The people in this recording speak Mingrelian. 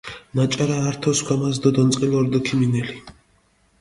ნაჭარა ართო სქვამას დო დონწყილო რდჷ ქიმინელი.